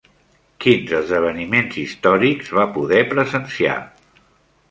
Quins esdeveniments històrics va poder presenciar?